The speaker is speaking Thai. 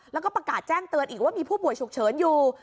แล้วก็ประกาศแจ้งเตือนอีกว่ามีผู้ป่วยฉุกเฉินอยู่